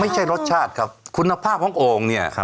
ไม่ใช่รสชาติครับคุณภาพของโอ่งเนี่ย